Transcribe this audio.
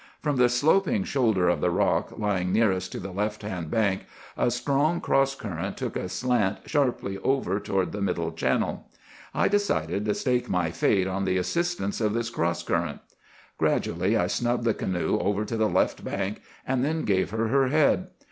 "From the sloping shoulder of the rock lying nearest to the left hand bank a strong cross current took a slant sharply over toward the middle channel. I decided to stake my fate on the assistance of this cross current. Gradually I snubbed the canoe over to the left bank, and then gave her her head.